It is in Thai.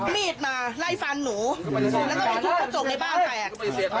มีดมาไล่ฟันหนูแล้วก็ไปทุบกระจกในบ้านแตก